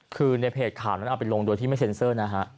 คือในเพจข่าวนั้นเอาไปลงโดยที่ไม่เซ็นเซอร์นะฮะ